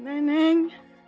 sama bu neneng